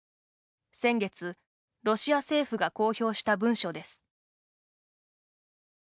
先月、ロシア政府が公表した文書です。